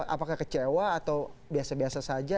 apakah kecewa atau biasa biasa saja